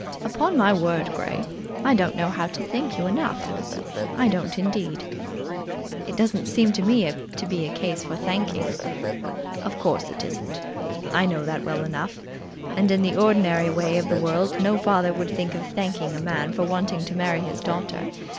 "Upon my word, Grey, I don't know how to thank you enough. I don't, indeed." "It doesn't seem to me to be a case for thanking." "Of course it isn't. I know that well enough. And in the ordinary way of the world no father would think of thanking a man for wanting to marry his daughter.